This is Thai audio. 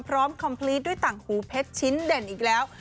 คอมพลีตด้วยต่างหูเพชรชิ้นเด่นอีกแล้ว